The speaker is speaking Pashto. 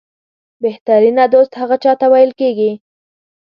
بهترینه دوست هغه چاته ویل کېږي